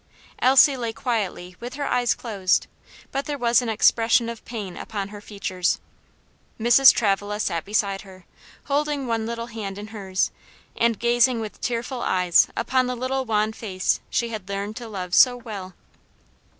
Elsie lay quietly with her eyes closed, but there was an expression of pain upon her features. Mrs. Travilla sat beside her, holding one little hand in hers, and gazing with tearful eyes upon the little wan face she had learned to love so well.